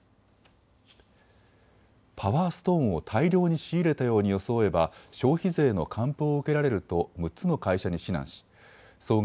パワーストーンを大量に仕入れたように装えば消費税の還付を受けられると６つの会社に指南し総額